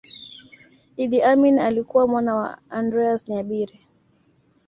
Idi Amin alikuwa mwana wa Andreas Nyabire